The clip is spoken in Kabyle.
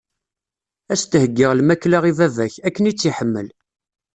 Ad s-d-heggiɣ lmakla i baba-k, akken i tt-iḥemmel.